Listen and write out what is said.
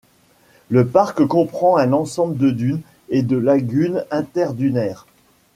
Le parc comprend un ensemble de dunes et de lagunes interdunaires.